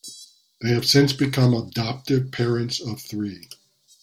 They have since become adoptive parents of three.